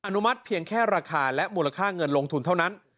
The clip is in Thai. อนุมัติเพียงแค่ราคาและมูลค่าเงินลงทุนเท่านั้น